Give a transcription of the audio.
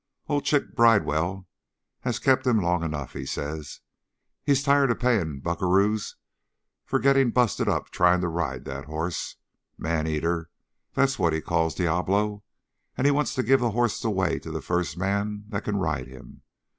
Old Chick Bridewell has kept him long enough, he says. He's tired of paying buckaroos for getting busted up trying to ride that hoss. Man eater, that's what he calls Diablo, and he wants to give the hoss away to the first man that can ride him.